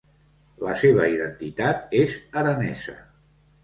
La seva identitat és aranesa.